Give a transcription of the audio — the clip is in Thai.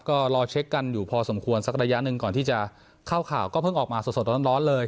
ก็รอเช็คกันอยู่พอสมควรสักระยะหนึ่งก่อนที่จะเข้าข่าวก็เพิ่งออกมาสดร้อนเลย